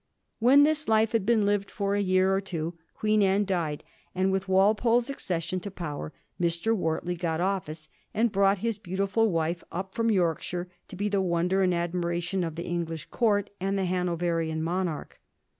When this life had been lived for a year or two Queen Anne died, and with Walpole's accession to power Mr, Wortley got office, and brought his beautifrd wife up from Yorkshire to be the wonder and admiration of the English Court and the Hano verian monarch.